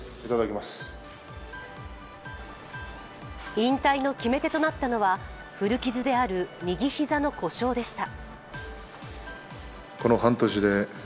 引退の決め手となったのは古傷である右膝の故障でした。